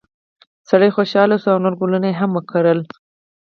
سړی خوشحاله شو او نور ګلونه یې هم وکري.